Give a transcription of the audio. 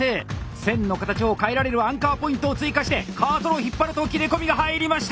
線の形を変えられるアンカーポイントを追加してカーソルを引っ張ると切れ込みが入りました！